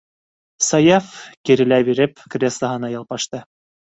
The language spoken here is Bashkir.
- Саяф, кирелә биреп, креслоһына ялпашты.